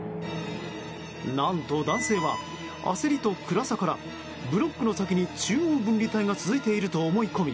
何と男性は、焦りと暗さからブロックの先に中央分離帯が続いていると思い込み